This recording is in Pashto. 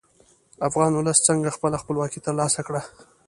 افغان ولس څنګه خپله خپلواکي تر لاسه کړه.